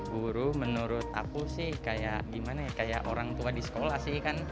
guru menurut aku sih kayak orang tua di sekolah sih kan